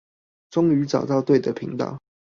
終於找到對的頻道